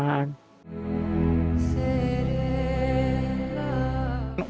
sudara nanda menerima penyakit